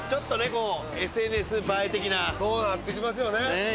こうＳＮＳ映え的なそうなってきますよねねえ